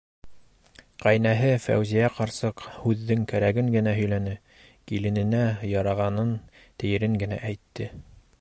Ҡәйнәһе, Фәүзиә ҡарсыҡ, һүҙҙең кәрәген генә һөйләне, килененә ярағанын, тейерен генә әйтте.